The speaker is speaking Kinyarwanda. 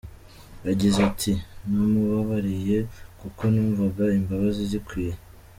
Yagize ati “namubabariye kuko numvaga imbabazi zikwiye.